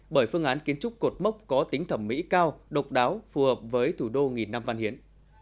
bởi phương án kiến trúc cột mốc có tính thẩm mỹ cao độc đáo phù hợp với thủ đô nghìn năm văn hiến